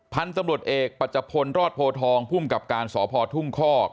พันธุ์ตำรวจเอกปัจจพลรอดโพทองภูมิกับการสพทุ่งคอก